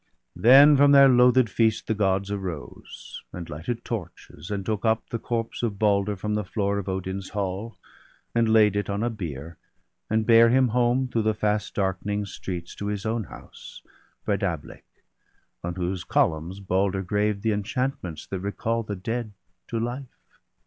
Then from their loathed feast the Gods arose, And lighted torches, and took up the corpse Of Balder from the floor of Odin's hall. And laid it on a bier, and bare him home Through the fast darkening streets to his own house, BALDER DEAD. H5 Breidablik, on whose columns Balder graved The enchantments that recall the dead to life.